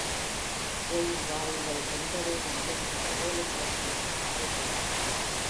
கோயில் வாயிலை எண்பது அடி உயரமுள்ள ஏழு நிலைக் கோபுரம் அழகு செய்கிறது.